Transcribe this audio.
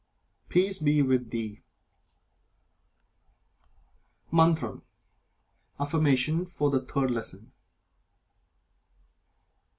Peace be with thee. MANTRAM (AFFIRMATION) FOR THE THIRD LESSON.